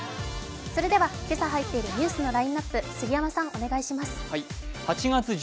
それでは今朝入っているニュースのラインナップ、杉山さん、お願いします。